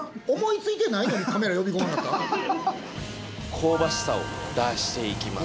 香ばしさを出していきます